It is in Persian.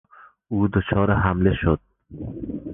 او دچار حمله شد.